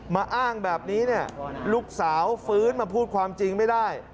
อ้างแบบนี้เนี่ยลูกสาวฟื้นมาพูดความจริงไม่ได้